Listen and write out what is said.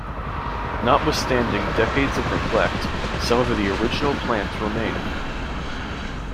Notwithstanding decades of neglect, some of the original plants remain.